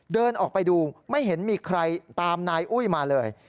เดินออกไปดูไม่เห็นมีใครตามนายอุ้ยมาเลย